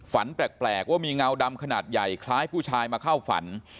ฝันแปลกว่ามีเงาดำขนาดใหญ่คล้ายผู้ชายมาเข้าฝัน